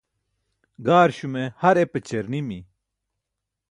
gaarśume har epaćiyar nimi